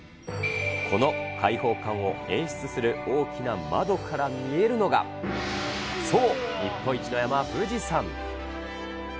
この開放感を演出する大きな窓から見えるのが、そう、日本一の山、富士山。